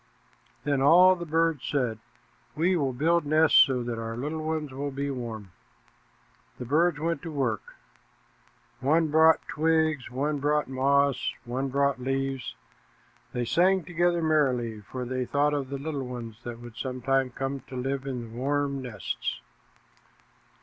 Then all the birds said, "We will build nests so that our little ones will be warm." The birds went to work. One brought twigs, one brought moss, and one brought leaves. They sang together merrily, for they thought of the little ones that would some time come to live in the warm nests.